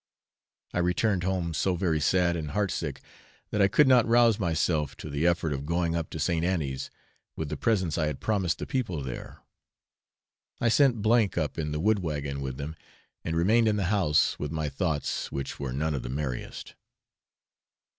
I returned home so very sad and heart sick that I could not rouse myself to the effort of going up to St. Annie's with the presents I had promised the people there. I sent M up in the wood wagon with them, and remained in the house with my thoughts, which were none of the merriest.